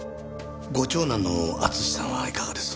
ご長男の淳史さんはいかがです？